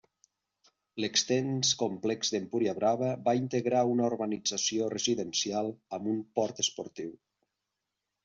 L'extens complex d'Empuriabrava va integrar una urbanització residencial amb un port esportiu.